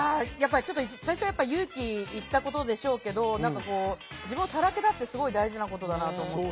最初はやっぱ勇気いったことでしょうけど自分をさらけ出すってすごい大事なことだなと思って。